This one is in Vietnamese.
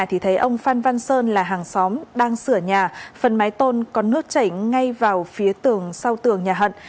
thì thấy ông phan văn sơn là hàng xóm đang sửa nhà phần mái tôn còn nước chảy ngay vào phía tường sau tường nhà hận